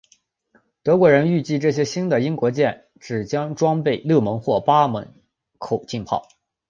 德国人预计这些新的英国舰只将装备六门或八门口径炮。